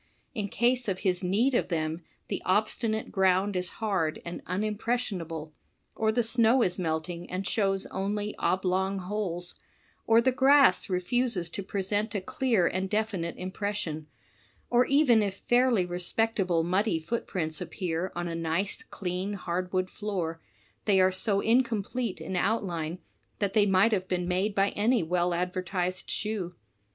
In case of his need of them, the obstinate ground is hard and unimpressionable; or the snow is melting and shows only oblong holes; or the grass refuses to present a clear and definite impression; or even if fairly respectable muddy footprints appear on a nice, clean, hard wood floor, they are so incomplete in outline that they might have been made by any well advertised shoe.